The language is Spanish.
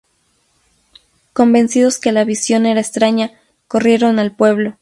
Convencidos que la visión era extraña, corrieron al pueblo.